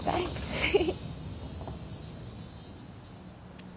はい。